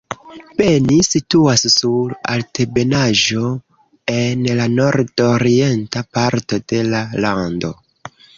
Beni situas sur altebenaĵo en la nordorienta parto de la lando.